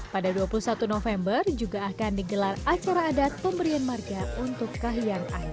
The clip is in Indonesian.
pada dua puluh satu november juga akan digelar acara adat pemberian marga untuk kahiyang ayu